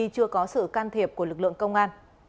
chưa có sự can thiệp của lực lượng công an